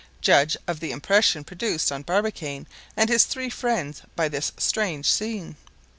Judge of the impression produced on Barbicane and his three friends by this strange scene!